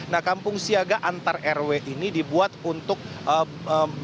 nah kampung siaga antar rw ini dibuat untuk mencari